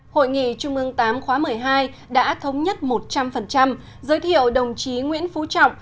hội nghị trung ương viii khóa một mươi hai đã thống nhất một trăm linh giới thiệu đồng chí nguyễn phú trọng